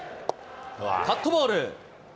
カットボール。